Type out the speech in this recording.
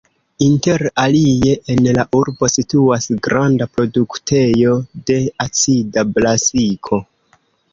Inter alie en la urbo situas granda produktejo de acida brasiko.